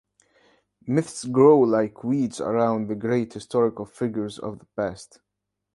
Myths grow like weeds around the great historical figures of the past.